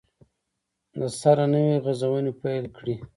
دسره نوي غزونې پیل کړي